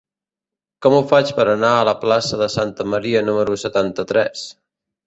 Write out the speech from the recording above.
Com ho faig per anar a la plaça de Santa Maria número setanta-tres?